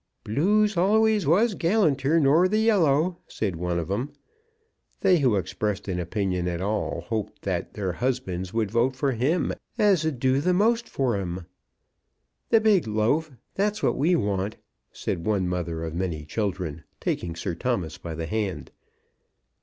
"Blues allays was gallanter nor the yellow," said one of 'em. They who expressed an opinion at all hoped that their husbands would vote for him, "as 'd do most for 'em." "The big loaf; that's what we want," said one mother of many children, taking Sir Thomas by the hand.